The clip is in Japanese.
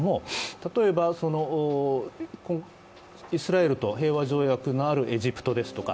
例えばイスラエルと平和条約のあるエジプトですとか